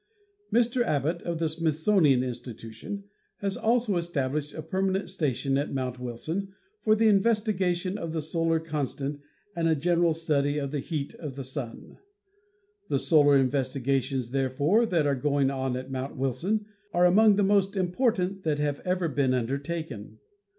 Mr. Abbot, of the Smithsonian Institution, has also established a permanent station at Mount Wilson for the investigation of the solar constant and a general study of the heat of the Sun. The solar investigations, therefore, that are going on at Mount Wilson are among the most important that have ever been undertaken.